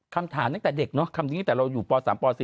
คำถามตั้งแต่เด็กแต่เราอยู่ป๓ป๔